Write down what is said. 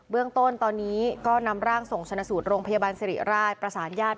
เรื่องต้นตอนนี้ก็นำร่างส่งชนะสูตรโรงพยาบาลสิริราชประสานญาติ